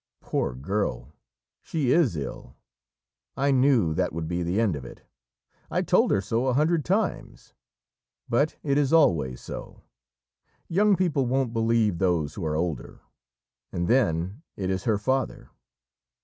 Poor girl, she is ill; I knew that would be the end of it, I told her so a hundred times; but it is always so. Young people won't believe those who are older; and then, it is her Father.